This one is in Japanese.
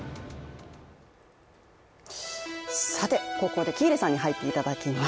ここで喜入さんに入っていただきます。